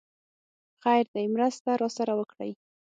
خير دی! مرسته راسره وکړئ!